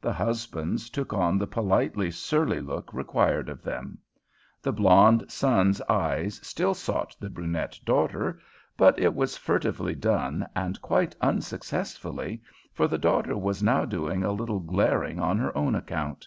The husbands took on the politely surly look required of them. The blonde son's eyes still sought the brunette daughter, but it was furtively done and quite unsuccessfully, for the daughter was now doing a little glaring on her own account.